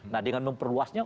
nah dengan memperluasnya